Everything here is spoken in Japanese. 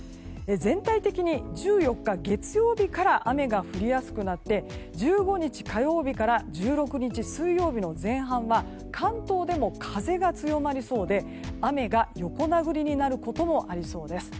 全体的に１４日月曜日から雨が降りやすくなって１５日火曜日から１６日水曜日の前半は関東でも風が強まりそうで雨が横殴りになることもありそうです。